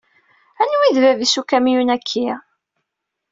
Anwa i d bab-is ukamyun-aki?